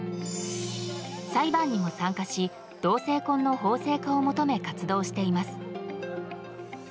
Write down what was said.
裁判にも参加し同性婚の法制化を求め活動しています。